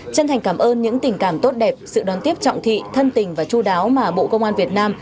chân thành cảm ơn những tình cảm tốt đẹp sự đón tiếp trọng thị thân tình và chú đáo mà bộ công an việt nam